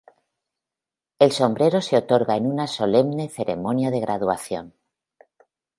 El sombrero se otorga en una solemne ceremonia de graduación.